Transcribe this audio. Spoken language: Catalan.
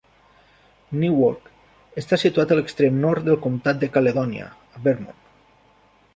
Newark està situat a l'extrem nord del comtat de Caledònia, Vermont.